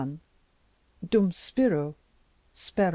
Dum Spiro, Spero.